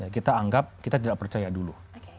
kita anggap kita tidak percaya dulu